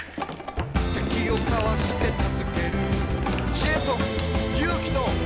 「敵をかわして助ける」「知恵と勇気と希望と」